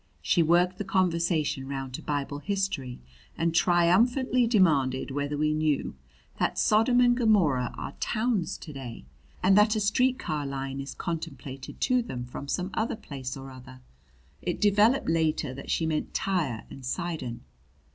She worked the conversation round to Bible history and triumphantly demanded whether we knew that Sodom and Gomorrah are towns to day, and that a street car line is contemplated to them from some place or other it developed later that she meant Tyre and Sidon.